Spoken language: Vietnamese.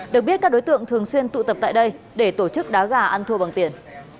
được biết các đối tượng thường xuyên tụ tập tại đây để tổ chức đá gà ăn thua bằng tiền